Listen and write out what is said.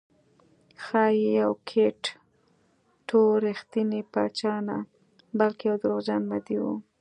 ښایي یوکیت ټو رښتینی پاچا نه بلکې یو دروغجن مدعي و